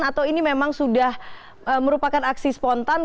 atau ini memang sudah merupakan aksi spontan